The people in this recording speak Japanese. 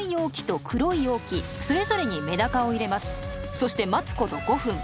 そして待つこと５分。